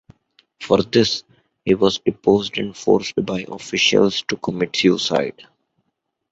For this, he was deposed and forced by officials to commit suicide.